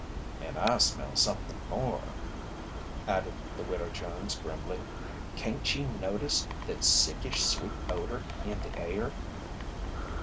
"An' I smell somethin' more," added the Widow Jones grimly. "Cain't ye notice thet sickish, sweet odor in the air?"